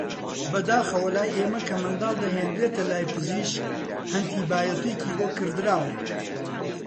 بەداخەوە لای ئێمە کە منداڵ دەهێنرێتە لای پزیشک ئەنتی بایۆتیکی بۆ کڕدراوە